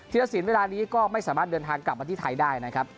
รสินเวลานี้ก็ไม่สามารถเดินทางกลับมาที่ไทยได้นะครับ